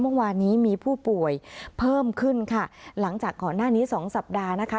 เมื่อวานนี้มีผู้ป่วยเพิ่มขึ้นค่ะหลังจากก่อนหน้านี้สองสัปดาห์นะคะ